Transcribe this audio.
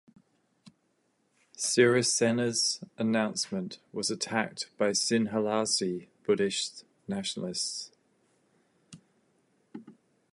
Sirisena's announcement was attacked by Sinhalese Buddhist nationalists.